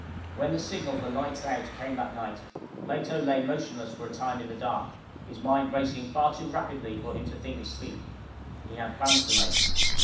When the signal for lights out came that night, Plato lay motionless for a time in the dark, his mind racing far too rapidly for him to think of sleep. He had plans to make.